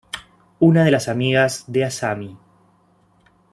Una de las amigas de Asami.